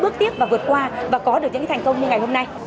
bước tiếp và vượt qua và có được những thành công như ngày hôm nay